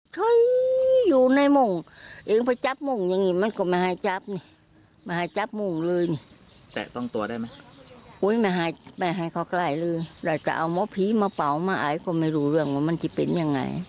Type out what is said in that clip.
ผมเป็นอย่างนี้ก็อยู่อย่างนี้เอง